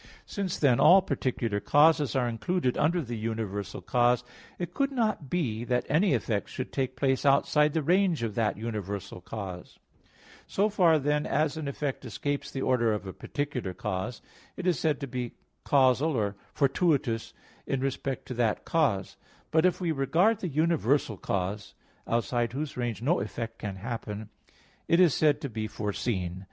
Since then, all particular causes are included under the universal cause, it could not be that any effect should take place outside the range of that universal cause. So far then as an effect escapes the order of a particular cause, it is said to be casual or fortuitous in respect to that cause; but if we regard the universal cause, outside whose range no effect can happen, it is said to be foreseen.